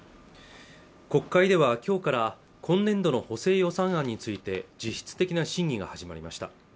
国会では今日から今年度の補正予算案について実質的な審議が始まりました